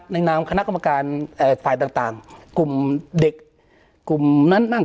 ในนามคำนัดกรรมการฝ่ายต่าง